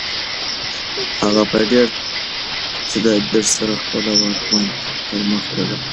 هغه په ډېر تدبیر سره خپله واکمني پرمخ وړله.